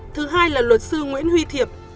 thứ hai là luật sư nguyễn huy thiệp